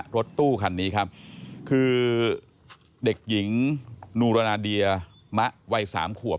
รถตู้คันนี้ครับคือเด็กหญิงนูรณาเดียมะวัย๓ขวบ